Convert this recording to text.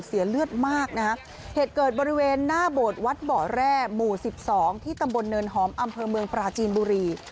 เสียเลือดมากนะฮะเหตุเกิดบริเวณหน้าโบสถ์วัดเบาะแร่หมู่สิบสองที่ตำบลเนินหอมอำเภอเมืองปราจีนบุรี